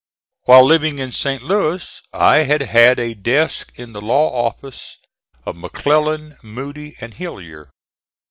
While living in St. Louis, I had had a desk in the law office of McClellan, Moody and Hillyer.